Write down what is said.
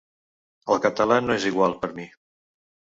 El català no és igual, per mi.